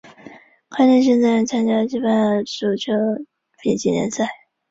该队现在参加西班牙足球丙级联赛。